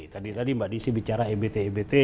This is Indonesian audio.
tadi mbak disy bicara ebt ebt